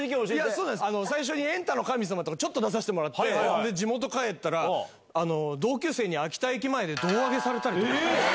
そうです、最初にエンタの神様とかちょっと出させてもらって、それで地元帰ったら、同級生に秋田駅前で胴上げされたり。